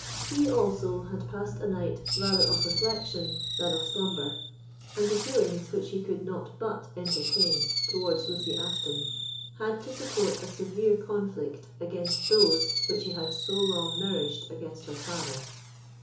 He, also, had passed a night rather of reflection than of slumber; and the feelings which he could not but entertain towards Lucy Ashton had to support a severe conflict against those which he had so long nourished against her father.